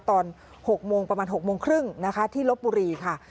ตอน๖โมงประมาณ๖๓๐นที่ลบบุรีค่ะ